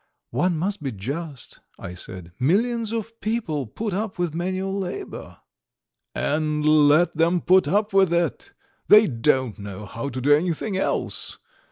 "One must be just," I said. "Millions of people put up with manual labour." "And let them put up with it! They don't know how to do anything else!